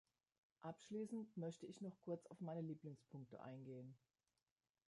Abschließend möchte ich noch kurz auf meine Lieblingspunkte eingehen.